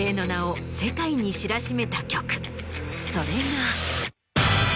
それが。